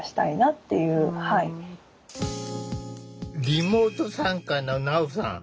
リモート参加のなおさん。